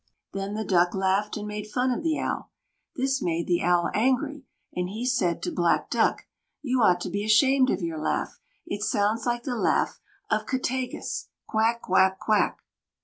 Then the Duck laughed and made fun of the Owl. This made the Owl angry, and he said to Black Duck: "You ought to be ashamed of your laugh; it sounds like the laugh of 'Kettāgŭs,' quack, quack, quack."